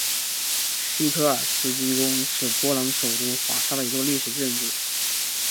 西科尔斯基宫是波兰首都华沙的一座历史建筑。